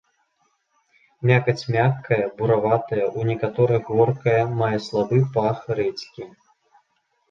Мякаць мяккая, бураватая, у некаторых горкая, мае слабы пах рэдзькі.